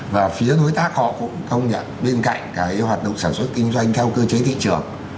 và phía đối tác họ cũng công nhận bên cạnh cái hoạt động sản xuất kinh doanh theo cơ chế thị trường